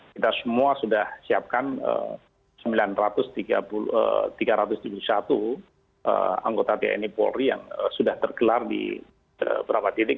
kita semua sudah siapkan tiga ratus tujuh puluh satu anggota tni polri yang sudah tergelar di beberapa titik